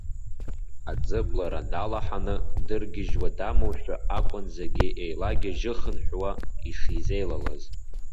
Аӡыблара далаҳаны дыргьежьуа дамоушәа акәын зегьы еилагьежьыхынҳәуа ишизеилалаз.